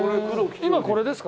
今これですか？